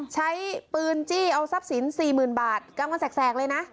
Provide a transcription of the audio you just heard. ใช้ปืนจี้เอาทรัพย์สินสี่หมื่นบาทกลางวันแสกเลยนะ